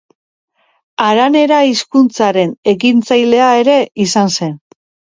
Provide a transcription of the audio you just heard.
Aranera hizkuntzaren ekintzailea ere izan zen.